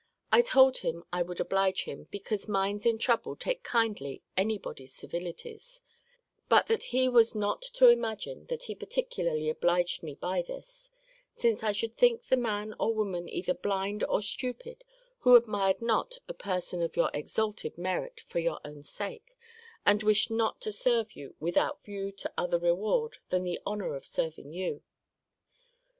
I told him I would oblige him, because minds in trouble take kindly any body's civilities: but that he was not to imagine that he particularly obliged me by this; since I should think the man or woman either blind or stupid who admired not a person of your exalted merit for your own sake, and wished not to serve you without view to other reward than the honour of serving you.